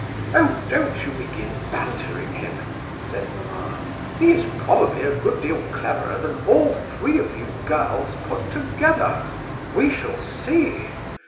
"Oh, don't you begin bantering him," said mamma. "He is probably a good deal cleverer than all three of you girls put together. We shall see.